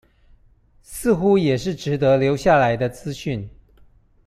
似乎也是值得留下來的資訊